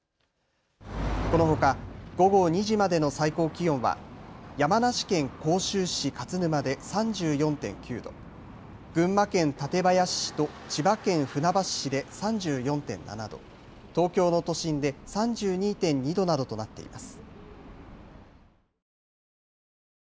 このほか午後２時までの最高気温は山梨県甲州市勝沼で３４．９度、群馬県館林市と千葉県船橋市で３４．７度、東京の都心で３２．２度などとなっています。